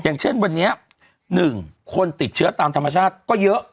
อย่างเช่นวันนี้๑คนติดเชื้อตามธรรมชาติก็เยอะ